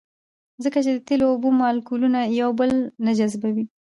ځکه چې د تیلو او اوبو مالیکولونه یو بل نه جذبوي